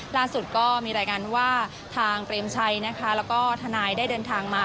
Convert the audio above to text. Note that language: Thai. ล่าสุดก็มีรายงานว่าทางเปรมชัยนะคะแล้วก็ทนายได้เดินทางมา